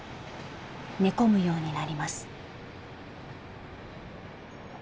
寝込むようになります。